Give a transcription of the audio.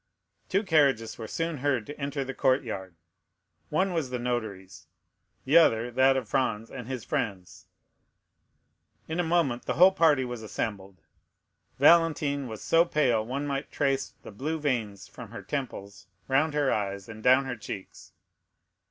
Two carriages were soon heard to enter the courtyard. One was the notary's; the other, that of Franz and his friends. In a moment the whole party was assembled. Valentine was so pale one might trace the blue veins from her temples, round her eyes and down her cheeks.